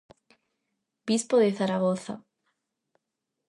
Bispo de Zaragoza.